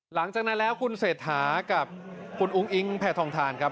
หลังจากนั้นแล้วคุณเศรษฐากับคุณอุ้งอิงแผ่ทองทานครับ